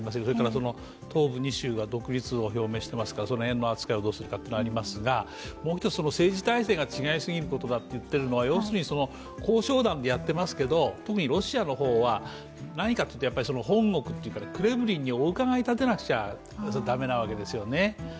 それから東部２州が独立を表明していますから、その辺の扱いをどうするかというのがありますがもう一つ、政治体制が違いすぎることだと言っているのは要するに、交渉団でやっていますけれども、特にロシアの方は、何かというと、本国というかクレムリンにお伺いを立てなきゃだめなわけですね